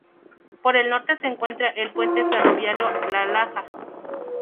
Por el norte se encuentra el Puente Ferroviario La Laja.